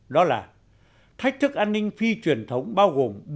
đó là thách thức an ninh phi truyền thống bao gồm